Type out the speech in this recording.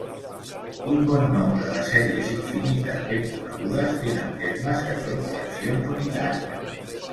Un bon nombre de sèries infinites ben conegudes tenen termes que són fraccions unitàries.